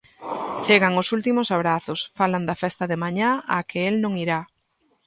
Chegan os últimos abrazos, falan da festa de mañá á que el non irá.